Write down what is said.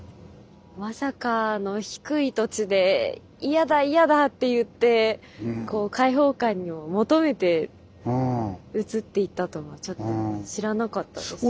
まさかあの低い土地で嫌だ嫌だって言って解放感を求めて移っていったとはちょっと知らなかったです。